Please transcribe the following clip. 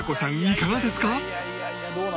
いかがですか？